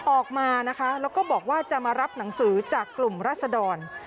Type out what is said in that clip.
ออกมานะคะแล้วก็บอกว่าจะมารับหนังสือจากกลุ่มรัศดร